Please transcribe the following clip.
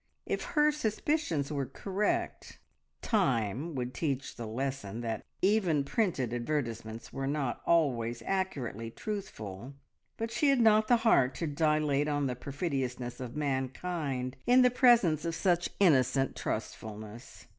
If her suspicions were correct, time would teach the lesson that even printed advertisements were not always accurately truthful, but she had not the heart to dilate on the perfidiousness of mankind in the presence of such innocent trustfulness.